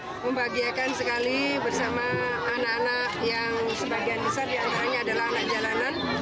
membagiakan sekali bersama anak anak yang sebagian besar yang antaranya adalah anak jalanan